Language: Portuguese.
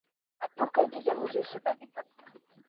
Amarás o teu próximo como a ti mesmo.